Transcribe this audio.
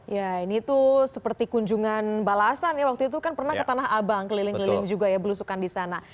ya ini tuh seperti kunjungan balasan ya waktu itu kan pernah ke tanah abang keliling keliling juga ya belusukan di sana